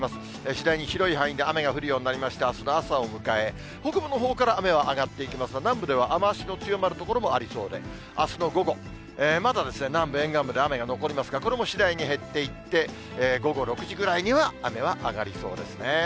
次第に広い範囲で雨が降るようになりまして、あすの朝を迎え、北部のほうから雨が上がっていきますが、南部では雨足の強まる所もありそうで、あすの午後、まだ南部沿岸部で雨が残りますが、これも次第に減っていって、午後６時ぐらいには雨は上がりそうですね。